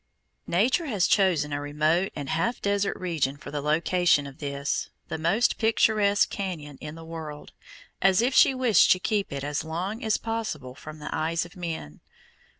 Nature has chosen a remote and half desert region for the location of this, the most picturesque cañon in the world, as if she wished to keep it as long as possible from the eyes of men.